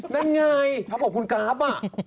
นั่นไงชอบกับคุณกราฟ